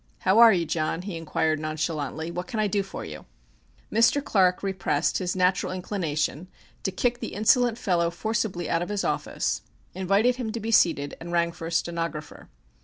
"How are you, John?" he inquired nonchalantly, "what can I do for you?" Mr. Clark repressed his natural inclination to kick the insolent fellow forcibly out of his office, invited him to be seated and rang for a stenographer.